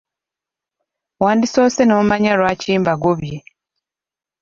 Wandisoose n'omanya lwaki mbagobye.